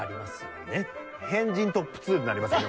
変人トップ２になりますね